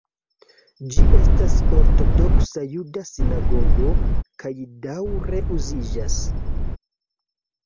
Ĝi estas ortodoksa juda sinagogo kaj daŭre uziĝas.